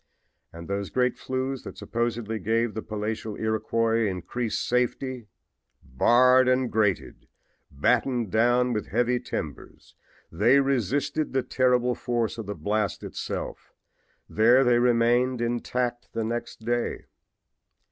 And those great flues that supposedly gave the palatial Iroquois increased safety! Barred and grated, battened down with heavy timbers they resisted the terrific force of the blast itself. There they remained intact the next day.